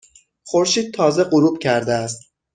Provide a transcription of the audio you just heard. خورشید تازه غروب کرده است.